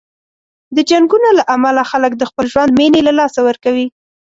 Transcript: د جنګونو له امله خلک د خپل ژوند مینې له لاسه ورکوي.